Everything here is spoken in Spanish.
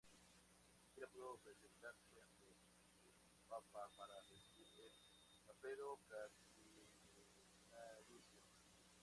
Ni siquiera pudo presentarse ante el papa para recibir el capelo cardenalicio.